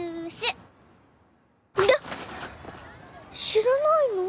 知らないの？